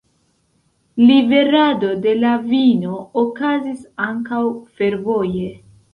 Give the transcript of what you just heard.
Liverado de la vino okazis ankaŭ fervoje.